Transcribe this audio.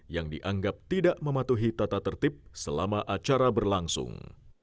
yang dianggap tidak mematuhi tata tertib selama acara berlangsung